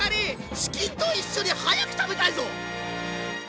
チキンと一緒に早く食べたいぞ！